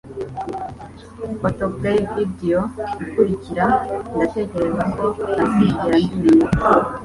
Autoplay video ikurikira Ndatekereza ko ntazigera mbimenya